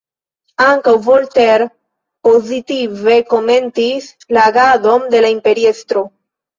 Ankaŭ Voltaire pozitive komentis la agadon de la Imperiestro.